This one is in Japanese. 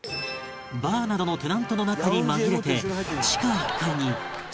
バーなどのテナントの中に紛れて地下１階に社務所の案内が